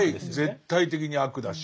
絶対的に悪だし。